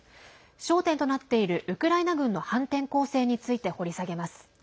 焦点となっているウクライナ軍の反転攻勢について掘り下げます。